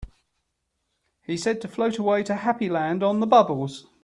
He said to float away to Happy Land on the bubbles.